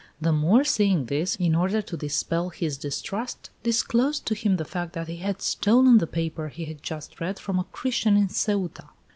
The Moor seeing this, in order to dispel his distrust, disclosed to him the fact that he had stolen the paper he had just read from a Christian in Ceuta.